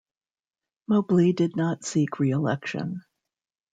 Mobley did not seek reelection.